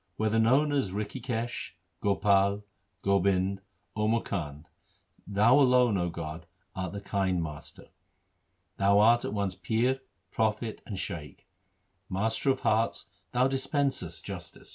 Whether known as Rikhikesh, Gopal, Gobind, Or Mukand, 2 Thou alone, 0 God, art the kind Master. Thou art at once Pir, Prophet, and Shaikh ; Master of hearts, Thou dispensest justice. 1 Suhi.